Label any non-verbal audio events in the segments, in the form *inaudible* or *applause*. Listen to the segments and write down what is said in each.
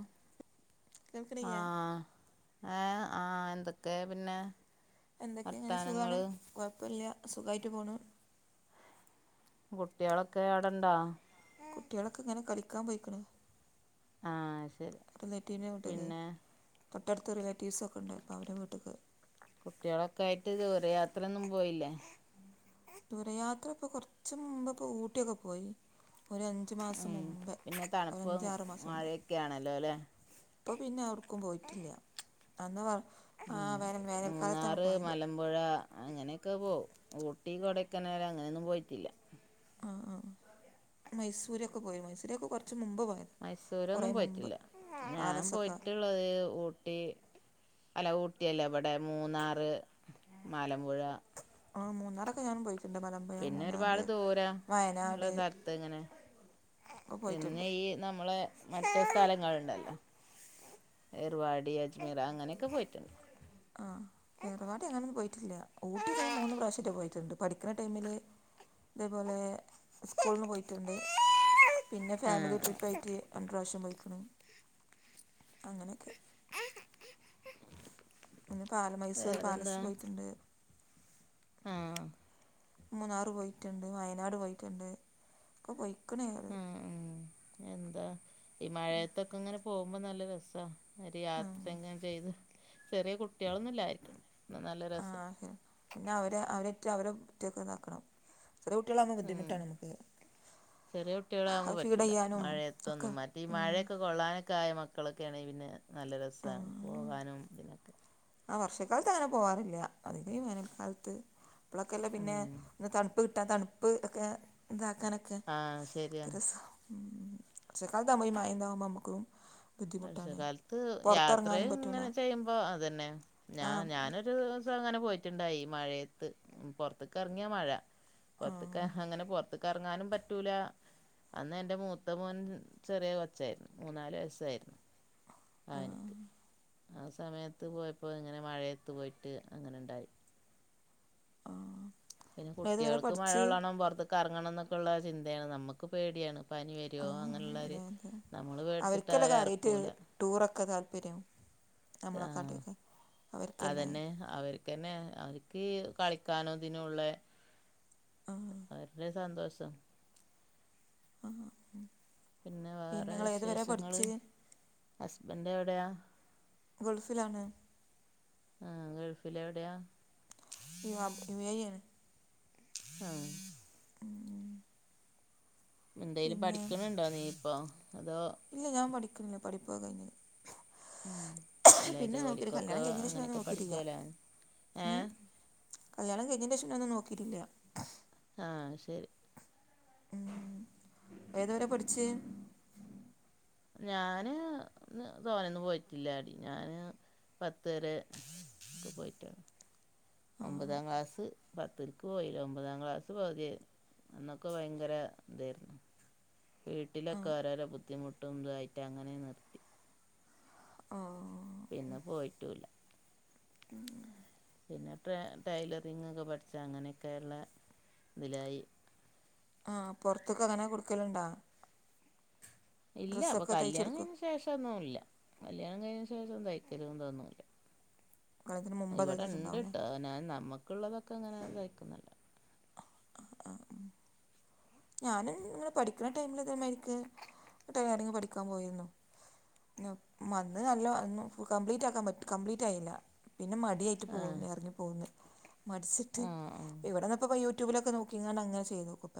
ആഹ് കേൾക്കണില്ലേ ആഹ് ഏഹ് ആഹ് എന്തൊക്കെ പിന്നെ? എന്തൊക്കെ ഇങ്ങനെ സുഖാണ് വർത്താനങ്ങള് കൊഴപ്പല്യ സുഖായിട്ട് പോണു കുട്ട്യാളൊക്കെ അവടണ്ടോ? കുട്ട്യാളൊക്കെ ഇങ്ങനെ കളിക്കാൻ പോയിക്കണ് ആഹ് ശരി റിലേറ്റീവിനെ വീട്ടിക്ക് പിന്നെ തൊട്ടടുത്ത് റിലേറ്റീവ്സൊക്കെണ്ട്. അപ്പോം അവരുടെ വീട്ട്ക്ക്. കുട്ട്യാളൊക്കെ ആയിട്ട് ദൂരയാത്രയൊന്നും പോയില്ലേ? ദൂരയാത്ര ഇപ്പ കൊറച്ച മുമ്പ് ഇപ്പോ ഊട്ടിയൊക്കെ പോയി. ഒര് അഞ്ചു മാസം ഉം മുമ്പേ പിന്നെ തണുപ്പും ഒരഞ്ചാറ് മാസം മുമ്പ് മഴയൊക്കെ ആണല്ലോ അല്ലേ ഇപ്പ പിന്നെ എവർക്കും പോയിട്ടില്ല. അന്ന് വർ ആ വെനം വെനം വേനൽക്കാലത്താണ് പോ ക്ക് മലമ്പുഴ അങ്ങനെയൊക്കെ പോവും. ഊട്ടി കൊടൈക്കനാല് അങ്ങനെയൊന്നും പോയിട്ടില്ല. ആഹ് ആഹ് മൈസൂരൊക്കെ പോയി. മൈസൂരൊക്കെ കൊറച്ച് മുമ്പേ പോയതാ. മൈസൂരൊന്നും പോയിട്ടില്ല. ഞാൻ പാലസൊക്കെ പോയിട്ടുള്ളത് ഊട്ടി അല്ല ഊട്ടിയല്ല. ഇവടെ മൂന്നാറ് മലമ്പുഴ ആഹ് മൂന്നാറൊക്കെ ഞാൻ പോയിട്ടുണ്ട് മലം പിന്നെ ഒരുപാട് ദൂരംള്ള സ്ഥലത്ത് ഇങ്ങനെ ഒക്കെ പിന്നെ പോയിട്ടുണ്ട് ഈ നമ്മളെ മറ്റു സ്ഥലങ്ങള്ണ്ടല്ലോ എറുവാടി അജ്മീർ അങ്ങനെയൊക്കെ പോയിട്ടുണ്ട്. ആഹ് ഏറുവാടി അങ്ങനൊന്നും പോയിട്ടില്ല. ഊട്ടി ഒക്കെ ഞാൻ മൂന്ന് പ്രാവശ്യൊറ്റെ പോയിട്ടുണ്ട്. പഠിക്കണ ടൈമില് അതേപോലെ സ്കൂള്ന്ന് പോയിട്ടുണ്ട്. പിന്നെ ആ ഫാമിലി ട്രിപ്പ് ആയിട്ട് രണ്ട് പ്രാവശ്യം പോയിക്ക്ണ് അങ്ങനോക്കെ പിന്ന പാല മൈസൂർ പാലസ് പോയിട്ടുണ്ട്. ആഹ് മൂന്നാറ് പോയിട്ടുണ്ട്. വയനാട് പോയിട്ടുണ്ട്. ഒക്കെ പോയിക്ക്ണ് റ ഉം ഉം എന്താ? ഈ മഴയത്തൊക്കെ ഇങ്ങനെ പോകുമ്പോ നല്ല രസാ ഒര് യാത്ര ഉം. എങ്ങാൻ ചെയ്ത് ചെറ്യേ കുട്ട്യാളൊന്നുംല്ലായിരിക്കണംന്നാ നല്ല രസാ ഏഹ് പിന്നെ അവരെ അവരെയിറ്റ് അവരെ *unintelligible* ക്ക് ഇതാക്കണം. ചെറ്യേ കുട്ട്യാളാണെങ്കി ബുദ്ധിമുട്ടാ നമുക്ക് ചെറ്യേ കുട്ട്യാളാകുമ്പോ പറ്റൂല. ഫീഡെയ്യാനും ഒക്കെ മഴയത്തൊന്നും മറ്റേ ഈ മഴയൊക്കെ കൊള്ളാനൊക്കെ ആയ മക്കളൊക്കെയാണെങ്കി പിന്നെ നല്ല രസാണ്. പോകാനും ഇതിനൊക്കെ ആഹ് വർഷക്കാലത്ത് അങ്ങനെ പോവാറില്ല. അധികു ഈ വേനക്കാലത്ത്. അപ്പളൊക്കെല്ലേ പിന്നെ ഉം ന്ന് തണുപ്പ് കിട്ടാ. തണുപ്പ് ഒക്കെ ഇതാക്കാനൊക്കെ ആഹ് ശരിയാ ന്ത്‌ രസാ *unintelligible* നമുക്കും ബുദ്ധിമുട്ടാണ് വർഷകാലത്ത് പുറത്തിറങ്ങാനും യാത്രയും പറ്റില്ല ഇങ്ങനെ ചെയ്യുമ്പോ അതന്നെ. ഞാ ആ ഞാനൊരു ഒരുസം അങ്ങനെ പോയിട്ടുണ്ടായി മഴേത്ത്. പൊറത്തേക്കെറങ്ങ്യാ മഴ ആ പുറത്തക്ക അങ്ങനെ പൊറത്ത് ക്കെറങ്ങാനും പറ്റൂല. അന്ന് എന്റെ മൂത്ത മോൻ ചെറിയ കൊച്ചായിരുന്നു. മൂന്നാല് വയസ്സായിരുന്നു. ആ അവന്ക്ക് ആ സമയത്ത് പോയപ്പങ്ങനെ മഴയത്ത് പോയിട്ട് അങ്ങനെ ഇണ്ടായി ആ പിന്നെ ഏതുവരെ കുട്ട്യാൾക്ക് പഠിച്ച് മഴള്ളോണം പൊറത്ത്ക്ക്റെങ്ങണം എന്നൊക്കെള്ള ചിന്തേണ് നമ്മക്ക് പേട്യാണ്. പനി ആ വര്വോ? അങ്ങനെയുള്ളൊരു അതെ അതെ നമ്മള് പേടിച്ചിട്ട് അവർക്കല്ലേ അവരെ കാര്യമായിട്ട് എറക്കൂല. ടൂറൊക്കെ താല്പര്യം നമ്മളെക്കാട്ടി ഒക്കെ അവർക്കല്ലേ? അവര്ക്ക്ന്നെ അവര്ക്ക് കളിക്കാനും ഇതിനുള്ളേ ആ നല്ല സന്തോഷം പിന്നെ വേറെ നിങ്ങൾ ഏത് വരെയാണ് വിശേഷങ്ങള് പഠിച്ചത് ഹസ്ബന്റ എവിടെയാ ഗൾഫിലാണ്. ആ ഗൾഫിൽ എവിടെയാ *unintelligible* ആ എന്തേലും പിന്നെ പഠിക്കണണ്ടോ നീ ഇപ്പം അതോ ഇല്ല ഞാൻ പഠിക്കണില്ല പഠിപ്പ് ക്കെ കഴിഞ്ഞ് അല്ലെ പിന്നെ നോക്കിയില്ല ജോലിക്കൊക്കെ കല്യാണം കഴിഞ്ഞതിന് ശേഷം ഒന്നും അങ്ങനെയൊക്കെ നോക്കിയിട്ടില്ല പഠിക്കുവേല ആ ഏ ഉം. കല്യാണം കഴിഞ്ഞിന്റെ ശേഷം ന്നും നോക്കിയിട്ടില്ല. ആ ശരി ഏത് വരെ പഠിച്ച് ഞാന് തോനെന്നും പോയിട്ടില്ല ഞാന് പത്ത് രെ ഒക്കെ പോയിട്ട് ഒമ്പതാം ക്ലാസ് പത്ത്ക്ക് പോയില്ല ഒമ്പതാം ക്ലാസ് പകുതിയായി - അന്നൊക്കെ ഭയങ്കര ഇതായിരുന്നു വീട്ടിലൊക്കെ ഓരോരോ ബുദ്ധിമുട്ടും ഉണ്ടായിട്ട് അങ്ങനെ നിർത്തി ഓ പിന്നെ പോയട്ടുല പിന്നെ ടെ ടൈലറിങ്ങൊക്കെ പഠിച്ചാ അങ്ങനെയൊകയുള്ള - - നിലായി ആ പുറത്തൊക്ക അങ്ങനെ കൊടുകലുണ്ടോ ഇല്ല അപ്പൊ തയ്ച്ച് കല്യാണത്തിന് കൊടുക്കുമോ കഴിഞ്ഞന് ശേഷം ഒന്നുമില്ല കല്യാണം കഴിഞ്ഞ ശേഷം തയ്കലു തൊന്നുല കല്യാണത്തിന് മുമ്പ് ഇവിടെ തയ്ച്ചിട്ടുണ്ടാവും അല്ലേ ഇണ്ട്ട്ട് ഞാൻ നമ്മുക്കുള്ളതൊക്കെ അങ്ങനെ കയ്ക്കുന്ന്ൾ ഞാനും ഇങ്ങെനെ പഠിക്ക് ടൈമില് ഇത് മ ര ിക്ക് െെട ലറിങ്പഠികുൻ പോയിരുന്നു. ന മന്ന് നല്ല ഒന്ന് കംപ്ലീറ്റ് ആക്കാൻ പറ്റില കംപ്ലീറ്റ് ആയില്ല. പിന്നെ മടിയായിട്ട് ആ പോകുന്നു ഇറങ്ങിപ്പോകുന്നു മടിച്ചിട്ട് ആ ആ ഇവിടെന്ന് ഇപ്പോ യൂട്യൂബിലൊക്കെ നോക്ക് ഇങ്ങാണ്ട് അങ്ങനെ ചെയ്തു ക്കു പ്പ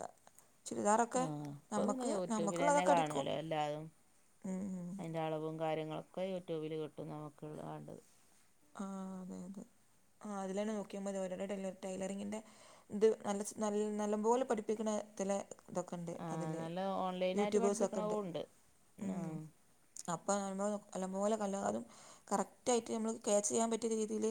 ആഹ ഇപ്പ പിന്നെ യൂട്യൂബിൽ തന്നെ നമുക്കുള്ളതൊക്കെ കാണുവല്ലോ എല്ലാതും. അടിക്കും അതിൻ്റെ അളവും കാര്യങ്ങളൊക്കെ യൂട്യൂബിൽ കിട്ടും നമുക്ക് ഇ വേണ്ടത്. ആ അതെ അതെ ആ അതിലാണ് നോക്കിയ മതി ഓരടെട ടൈലറിങ്ങിൻ്റെ ഇത് നല്ല നല്ല നല്ല പോലെ പഠിപ്പിക്കണതിലെ ഇതൊക്കെ ഉണ്ട് അതില് നല്ല ഓൺലൈനായിട്ട് യൂട്യൂബേഴ്സൊക്കെ ഉണ്ട്. പഠിപ്പിക്കണതും അപ്പം നമ്മൾ നല്ലപോലെ എല്ലാതും കറക്റ്റായിട്ട് നമ്മൾ - - ക്യാച്ച് ചെയ്യാൻ പറ്റിയ രീതിയിൽ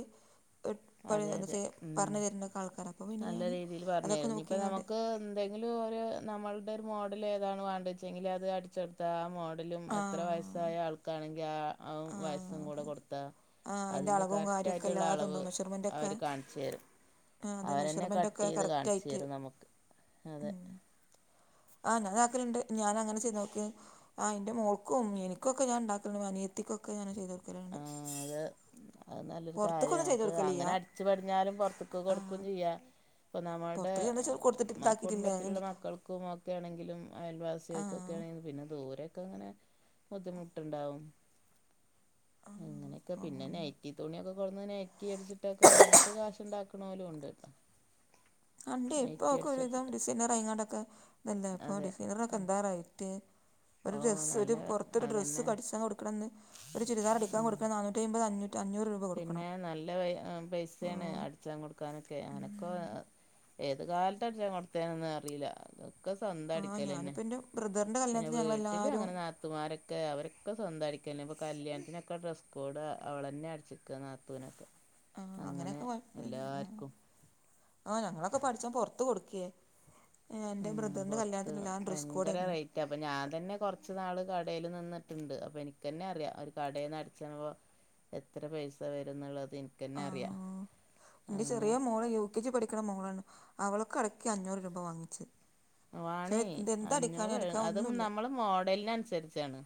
പെട്ട് അതെ അതെ എന്നച്ചൽ ഉം. പറഞ്ഞു തരുന്നാൽക്കര നല്ല രീതിയിൽ പറഞ്ഞെരും ഇനി ഇപ്പ നമുക്ക് എന്തെങ്കിലും ഒരു നമ്മളുടെ ഒരു മോഡൽ ഏതാണ് വേണ്ടേച്ചെങ്കിൽ അത് അടിച്ചെടുത്ത ആ മോഡലും ആ എത്ര വയസ്സായ ആൾക്കാണെങ്കിൽ ആ ആ വയസ്സും അതെ കൂടെ അതെ കൊടുത്താ ആ അതിൻ്റെ അതിന്റെ അളവും കറക്റ്റ് കാര്യമൊക്കെ ആയിട്ടുള്ള എല്ലാതും അളവ് ഉണ്ടാവും മെഷർമെൻ്റൊക്കെ അവര് കാണിച്ചു തരും. ആ അതെ അവരെന്നെ മെഷർമെന്റ് കട്ട് ഒക്കെ ചെയ്ത് കറക്റ്റ് കാണിച്ചു ആയിട്ട് തരും നമുക്ക് അതെ ആ് ഞാനാക്കലുണ്ട് ഞാന അങ്ങനെ ചെയ്ത് നോക്കിയ ആഹ് ഇന്റെ മോൾക്കും എനിക്കൊക്കെ ഞാൻ ഉണ്ടാക്കുണ്ട് അനിയത്തിക്കൊക്കെ ഞാൻ ചെയ്തുകൊടുക്കലുണ്ട് ആ അത്‌ അത് നല്ലൊരു കാര്യം ചെയ്ത് നമുക്ക് കൊടുക്കലില്ല അങ്ങനെ അടിച്ചു പടിഞ്ഞാലും പൊറത്തുക്ക് ആഹ് കൊടുക്കും ചെയ്യാം ഇപ്പം നമ്മളുടെ പുറത്തേക്ക് ചെന്ന് ചെ- കൊടുത്തിട്ട് മ്മ ഇതാക്കിയിട്ടില്ല കുടുംബത്തിലുള്ള മക്കൾക്കും ഒക്കെ ആണെങ്കിലും അയൽവാസികൾക്കൊക്കെ ആഹ് ആണെങ്കിലും പിന്നെ ദൂരെയൊക്കെ അങ്ങനെ ബുദ്ധിമുട്ടുണ്ടാവും. അങ്ങനെ. ഒക്കെ പിന്നെ ആഹ് നൈറ്റി തുണിയൊക്കെ കൊടന്ന് നൈറ്റി അടിച്ചിട്ടൊക്കെ അങ്ങനെയൊക്കെ കാശ് ഉണ്ടാക്ക്ണോലും ഉണ്ട്. റ്റ് അണ്ടെ ഇപ്പൊക്കൊരുവിധം ഡിസൈനറായിങ്ങാട്ടൊക്കെ തെല്ലെ ഇപ്പോ അതെ ഡിസൈനറൊക്കെന്താറൈറ്റ് ഒരു ഓ ഡ്രസ്സ് ഒരു നല്ല പൊർത്തൊരു ഡ്രസ്സ് അതന്നെ പഠിച്ച ടിച്ചാൻ കൊടുക്കണന്ന് ഒരു ചുരിദാർ അടിക്കാ ഉം കൊടുക്കണം നാന്നൂറ്റയ്മ്പത് അഞ്ഞൂറ്റി അഞ്ഞൂറ് രൂപ കൊടുക്കണം പിന്നെ നല്ല പൈ പൈസേണ് ആഹ് അടിച്ചാൻ കൊടുക്കാനൊക്കെ അനൊക്കൊ ഏത് കാലത്തടിച്ചാൻ കൊടുത്തേന്നൊന്നും അറില്ല ക്കെ സ്വന്തം ആഹ് അടിക്കലെന്നെ ഞാനിപ്പോൾ എൻ്റെ ബ്രദറിൻ്റെ പിന്നെ കല്യാണത്തിന് വീട്ടില് ഞങ്ങളെല്ലാവരും അങ്ങനെ നാത്തൂ ത്തൂൻമാരൊക്കെ അവരൊക്കെ സ്വന്തം അടിക്കെന്നെ ഇപ്പൊ കല്യാണത്തിനൊക്കെ ഡ്രസ് കോഡ് അവള്ന്നെ അടിച്ച് ക്കെ നാത്തുനൊക്കെ ആഹ് അങ്ങനെ അങ്ങനെയൊക്കെ എല്ലാര്ക്കും ആ ഞങ്ങളൊക്കെപ്പടിച്ചാൻ പൊർത്ത് കൊടുക്കേന് എൻ്റെ ഉം ബ്രദറിൻ്റെ പൊറത്ത് കല്യാണത്തിന് എല്ലാം ഡ്രസ്സ്‌ ഭയങ്കര കോഡേയ്ന്നു റേറ്റാ അപ്പൊ ഞാൻ തന്നെ കൊർച്ച് നാള് കടേൽ നിന്നിട്ട്ണ്ട് അപ്പൊ എനിക്ക്ന്നറിയാ ഒരു കടേന്നടിച്ചുമ്പോ എത്ര പൈസ വരും ന്നുള്ളത് ഇൻ ആ ന്റെ ചെറിയ മോള് യു കെ ജി പഠിക്കണ മോളാണ് അവൾക്കടക്കി അഞ്ഞൂറ് രൂപ വാങ്ങിച്ച് പക്ഷേ വാണേ ഇത് എന്താ അടിക്കാൻ അഞ്ഞൂറ് അടിക്കാൻ അത് ഒന്നുമില്ല നമ്മളെ മോഡലിനനുസരിച്ചാണ്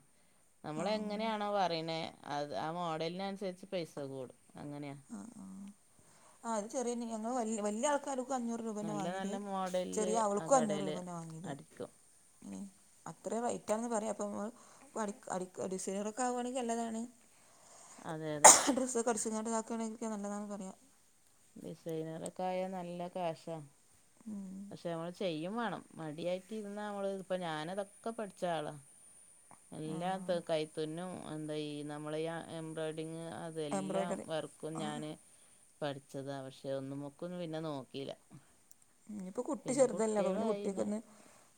ആഹ് നമ്മളെങ്ങനെണോ പറയ്ണേ അത് ആ മോഡലിനനുസരിച്ച് പൈസ കൂടും അങ്ങനെയാ ആ ആ ആ അത് ചെറിയന്നെ ഞങ്ങള് വ വല്യ ആൾക്കാര്ക്കും ‌ അഞ്ഞൂറ് ട്ട് രൂപന്നെ നല്ല വാങ്ങിത് നല്ല മോഡലില് ചെറിയ ആ അവക്കും അഞ്ഞൂറ് കടേല് രൂപെന്നെ വാങ്ങിത് അടിക്കും അത്രേം റേറ്റാന്ന് പറയാ അപ്പമ്മള് അടിക്ക ഡിസൈറൊക്കാണെങ്കി നല്ലതാണ് അതെ അതെ ഡ്രസ്സൊക്കെ അടിച്ചുങ്ങാട്ട്താക്കാണെങ്കി ങ്ങക്ക് നല്ലതാന്ന് പറയാ ഡിസൈനറൊക്കായാ നല്ല കാഷ ഉം പക്ഷെ നമ്മള് ചെയ്യും വാണം മടിയായിട്ട്ര്ന്നാ ഞമ്മള്പ്പൊ ഞാനതൊക്കെ പഠിച്ച ആളാ എല്ലാ ആഹ് ത്ത് കൈത്തുന്നും എന്താ ഈ നമ്മളീ എംബ്രോയ്ഡിങ് അത് തും എല്ലാം എംബ്രോയ്ഡറി വർക്കും ആ ഞാന് പഠിച്ചത പക്ഷെ ഒന്ന്മ്മക്കും പിന്നെ നോക്കില്ല ഞ്ഞിപ്പോ കുട്ടി ചെറുതല്ലേ അപ്പൊ പിന്നെ കുട്ട്യോക്കൊന്ന്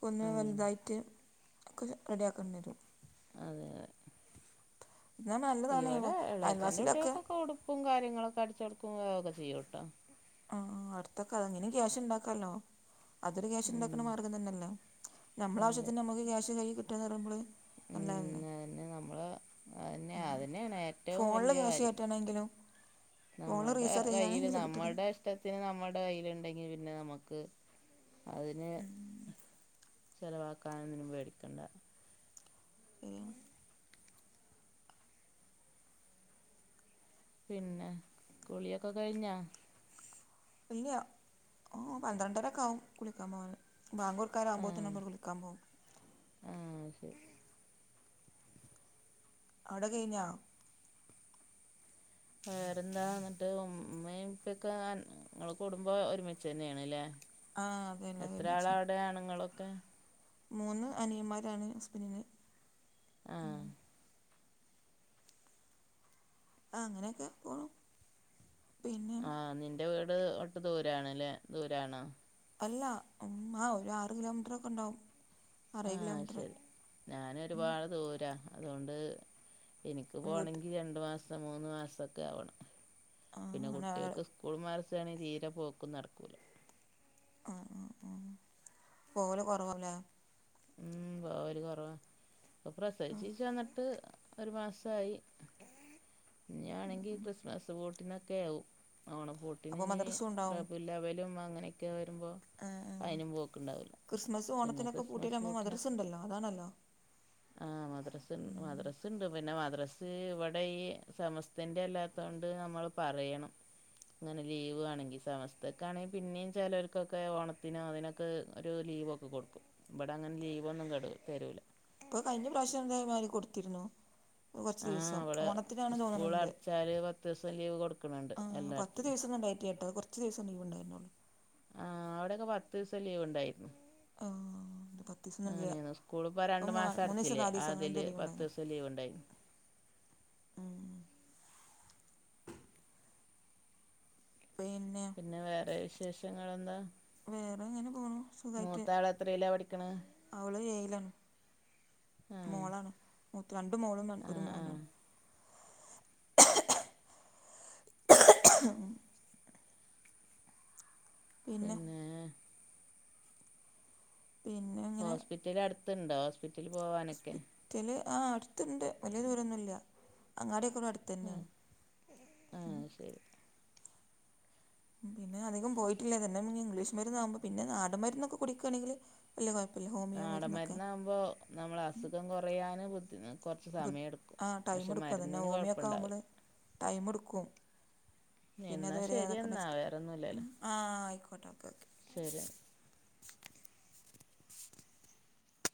ഒന്ന് ഉം വൽതായിട്ട് ഒക്കെ റെഡി ആക്കണ്ടി വെരും അതെതെ എന്നാൽ നല്ലതാണ് ഇവടെ ഇളേച്ചന്റെ അയൽവാസിയിലൊക്കെ കുട്ട്യാക്കൊക്കോടും പ്പും കാര്യങ്ങളൊക്കെ അടിച്ചൊട്ക്കും ക്ക ചെയ്യുട്ടോ ആ ആ അടുത്തൊക്കെ അങ്ങനും ക്യാഷ് ണ്ടാക്കാല്ലോ അതൊരു ക്യാഷ് ഉം ണ്ടാക്ക്ണ മാർഗം തന്നല്ലേ അതെ നമ്മളാവശ്യത്തിന് നമ്മക്ക് ക്യാഷ് കയ്യിൽ കിട്ടാന്ന് പറയുമ്പള് നല്ലതല്ലേ ഉം അതന്നെ നമ്മള് അതന്നെ ഉം അതന്നെയാണ് ഏറ്റവും ഫോണില് വലിയ ക്യാഷ് കാര്യം കേറ്റണെങ്കിലും ഫോണിൽ റിചാർജ് ചെയ്യണെങ്കിലും കിട്ടണേ ഷ്ടത്തിന് നമ്മുടെകയ്യില്ണ്ടെങ്കിൽ പിന്നെ നമുക്ക് അതിന് ചെലവാക്കാനൊന്നിനും പേടിക്കണ്ട ഏ പിന്നെ കുളിയൊക്കെ കയ്ഞ്ഞാ ഇല്ല ഉം പന്ത്രണ്ടരൊക്കാവും കുളിക്കാ പോവാന് ബാങ്കൊട്ക്കാനാവുമ്പോത്തിനൊന്ന് കുളിക്കാ പോവും ആ അത് ശെരി അവ്ടെ കയ്ഞ്ഞോ വേറെന്താ ന്ന്ട്ട് ഉമ്മേം ഉപ്പക്കെ അൻ ങ്ങള് കുടുംബം ഒരുമിച്ചന്നേണ് ലെ ആഹ് അതെല്ലാം ഒരുമിച്ചാ എത്രാളാ അവ്ടെ ആണ്ങ്ങളൊക്കെ മൂന്ന് അനിയന്മാരാണ് ഹസ്ബന്റിന് ആ അങ്ങനൊക്കെ പോണു പിന്നെ ആ നിന്റെ വീട് ഒട്ട് ദൂരാണ് ലെ ദൂരാണോ അല്ല അ ഒര് ആറ് കിലോമീറ്ററൊക്കെ ണ്ടാവും ആ അത് ശെരി ഞാനൊരുപാട് ദൂരാ അതോണ്ട് ഇൻക്ക് വീട്ട് പോണെങ്കി രണ്ട് മാസം മൂന്ന് മാസൊക്കാവണം ആഹ് പിന്നെ അങ്ങനെ ആഹ് കുട്ട്യാക്ക് സ്ക് കൂളും മാർസു ആണെ തീരെ പോക്കും നടക്കൂല. ആ പോവല് കൊറവല്ലേ മ് പോവല് കൊറവ ഇപ്പൊ പ്രസവിച്ചീ വന്ന്ട്ട് ഒര് മാസായി ഇഞ്ഞ്യാണെങ്കി ക്രിസ്മസ് പൂട്ടിനൊക്കെവും ഓണ പൂട് അപ്പൊ ട്ടിനിഞ്ഞി മദ്രസും ഉണ്ടാവും റബുലവ്വലും അങ്ങനൊക്കെ വരുമ്പൊ ആഹ് ആഹ് അയ്നും പോക്ക്ണ്ടാവുല പിന്നെ ക്രിസ് ട്ട്ലാവുമ്പ മദ്ര്സ്ണ്ടല്ല അതാണല്ലോ ആ മദ്രസ് മദ്രസ്ണ്ട് പിന്നെ മദ്രസ് ഇവിടെ ഈ സമസ്തന്റല്ലാത്തോണ്ട് നമ്മള് പറയണം ങ്ങനെ ലീവ് വേണെങ്കി സമസ്ത്തക്കാണെങ്കി പിന്നിം ചെലോൽക്കൊക്കെ ഓണത്തിനാതിനൊക്കെ ഒരു ലീവൊ കൊട്ക്കും ഇബടങ്ങനെ ലീവൊന്നും കടു തരൂല. ഇപ്പൊ കയ്ഞ്ഞ പ്രാവശ്യം എന്താ മാരി കൊടുത്തില്ലേ ആ കൊറച്ചീസം ഇവിടെ ഓണത്തിനാണ് തോന്ന്ണ് സ്കൂൾ ണ്ട് ട് അടച്ചാൽ പത്ത് ദിവസം ലീവ് കൊടുക്കുന്നുണ്ട് ആ പത് പത്ത് എല്ലായിടത്തിനും ദിവസൊന്ന് ഇണ്ടായിട്ടില്ല ട്ടൊ കൊർച്ച് ദിവസം ലീവ്ണ്ടായ്ന്നൊള്ളൂ. ആ അവ്ടൊക്കെ പത്ത്സം ലീവിണ്ടായിരുന്നു ആ ഇത് പത്ത് ദിവസൊന്നുമില്ല അങ്ങനെണ് സ്കൂള്പ്പ രണ്ടു മൂന്ന് മാസം മൂന്ന് ദിവസം അടച്ചീലെ നാല് ദിവസം അങ്ങനെ എന്തോ അതീല് ലീവ് ഉണ്ടായിരുന്നു പത്തൂസം ലീവ്ണ്ടായിരുന്നു ഉം പിന്നെ പിന്നെ വേറെ വിശേഷങ്ങളെന്താ? വേറെ ഇങ്ങനെ പോണു. സുഖമായിട്ട് മൂത്താള് എത്രീലാ പഠിക്ക്ണ്? അവള് ഏയിലാണ് ആഹ് മോളാണ് മൂത്ത രണ്ട് മോളും ഒരു ആഹ് ആഹ് മോനാണ്. *unintelligible* പിന്നെ പിന്നെ ഇങ്ങനെ ഹോസ്പിറ്റല് അട്ത്ത്ണ്ടോ ഹോസ്പിറ്റലി പോവാനൊക്കെ ത്തില് ആ അട്ത്ത്ണ്ട് വല്ല്യ ദൂരൊന്നുല്ല അങ്ങാടിയൊക്കെ ഇവട തന്നെ ആഹ് മ് ശരി പിന്നെ അധികം പോയ്ട്ടില്ല തന്ന ഇംഗ്ലീഷ് മര്ന്നാവ്മ്പൊ പിന്നെ നാടമ്മര്ന്നൊക്കെ കുടിക്കാണെങ്കില് ല്ല്യ കൊയപ്പില്ല ഹോമിയോ മരുന്നൊക്കെ നമ്മളസുഖം കൊറയാന് ബുദ്ധിന് കൊറച്ച് ബു- സമയെട്ക്കും ആ ടൈം പക്ഷെ എടുക്കും അതന്നെ മരുന്നിന് ഹോമിയോ ഒക്കെ ആകുമ്പോൾ കൊയപ്പണ്ടാവുല ടൈം എടുക്കും എന്നാ പിന്നെതുവരെ ശരി അതൊക്കണ്ട് എന്നാ വെച്ച്ട്ട് വേറൊന്നുമില്ലല്ലോ ആ ആയ്ക്കോട്ടെ ഓക്കെ ഓക്കെ. ശരി